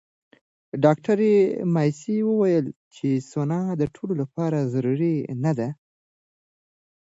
ډاکټره ماسي وویل چې سونا د ټولو لپاره ضروري نه ده.